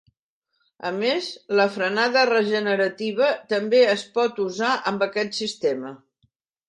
A més, la frenada regenerativa també es port usar amb aquest sistema.